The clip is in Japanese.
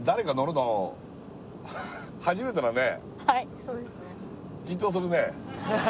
はいそうですね